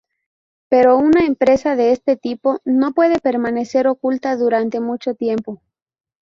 Pero una empresa de este tipo no puede permanecer oculta durante mucho tiempo.